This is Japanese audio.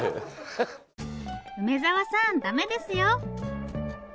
梅沢さん駄目ですよ！